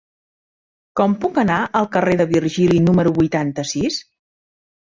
Com puc anar al carrer de Virgili número vuitanta-sis?